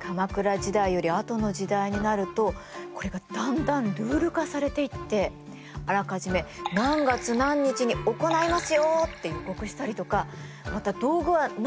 鎌倉時代よりあとの時代になるとこれがだんだんルール化されていってあらかじめ何月何日に行いますよって予告したりとかまた道具は何を使いますよって通告したりしたんだって。